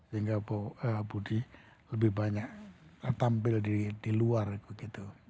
sehingga budi lebih banyak tampil di luar begitu